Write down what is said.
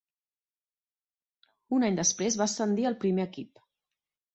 Un any després, va ascendir al primer equip.